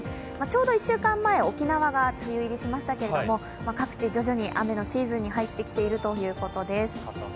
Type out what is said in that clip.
ちょうど１週間前、沖縄が梅雨入りしましたけれども各地、徐々に雨のシーズンに入ってきているということです。